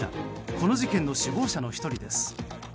この事件の首謀者の１人です。